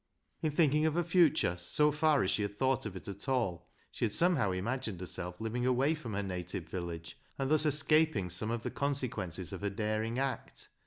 In thinking of her future, so far as she had thought at all, she had somehow imagined herself living away from her native village, and thus escaping some of the I02 BECKSIDE LIGHTS consequences of her daring act.